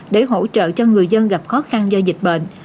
để hỗ trợ cho người dân gặp khó khăn do dịch bệnh